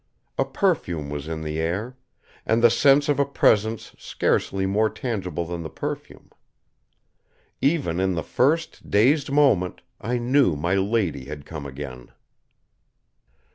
A perfume was in the air, and the sense of a presence scarcely more tangible than the perfume. Even in the first dazed moment, I knew my lady had come again.